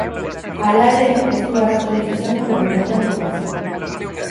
Hala ere, ez du arazorik izango larunbatean jokatzeko.